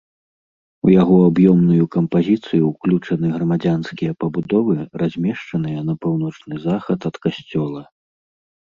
У яго аб'ёмную кампазіцыю ўключаны грамадзянскія пабудовы, размешчаныя на паўночны захад ад касцёла.